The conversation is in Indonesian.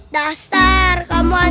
dasar kamu adam penakut